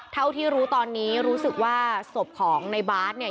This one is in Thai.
เท่าที่รู้ตอนนี้รู้สึกว่าศพของในบาสเนี่ย